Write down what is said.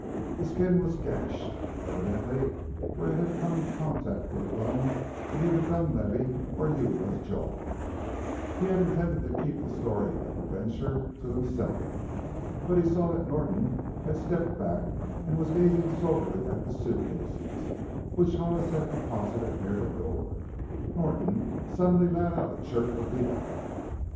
The skin was gashed evidently where it had come in contact with a bone in either Dunlavey's or Yuma's jaw. He had intended to keep the story of adventure to himself. But he saw that Norton had stepped back and was gazing soberly at the suitcases, which Hollis had deposited near the door. Norton suddenly let out a chirp of delight.